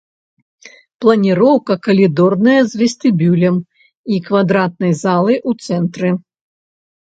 Планіроўка калідорная з вестыбюлем і квадратнай залай у цэнтры.